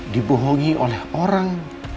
dibohongi oleh orang